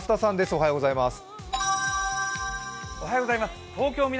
おはようございます。